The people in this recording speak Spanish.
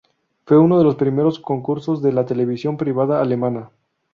Fue uno de los primeros concursos de la televisión privada alemana.